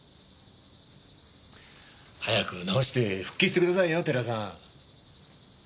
早く治して復帰してくださいよ寺さん。